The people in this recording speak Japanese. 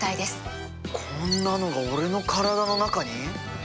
こんなのが俺の体の中に？